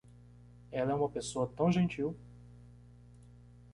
Ela é uma pessoa tão gentil.